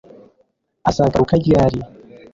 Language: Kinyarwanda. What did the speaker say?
Azagaruka ryari